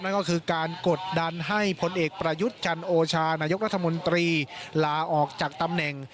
นั่นก็คือการกดดันให้พลเอกประยุทธ์จันโอชานายกรัฐมนตรีลาออกจากตำแหน่ง